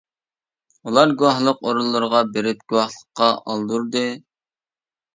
ئۇلار گۇۋاھلىق ئورۇنلىرىغا بېرىپ گۇۋاھلىققا ئالدۇردى.